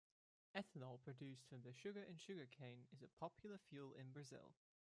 Ethanol produced from the sugar in sugarcane is a popular fuel in Brazil.